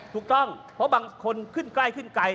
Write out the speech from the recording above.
ถูกต้องเพราะบางคนขึ้นใกล้ขึ้นไกล